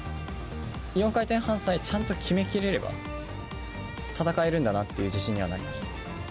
４回転半さえちゃんと決めきれれば、戦えるんだなという自信にはなりました。